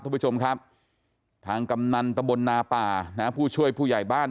ทุกผู้ชมครับทางกำนันตะบลนาป่านะฮะผู้ช่วยผู้ใหญ่บ้าน